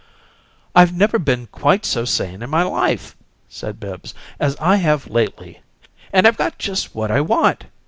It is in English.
"I've never been quite so sane in my life," said Bibbs, "as I have lately. And I've got just what I want.